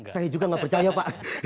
saya juga nggak percaya pak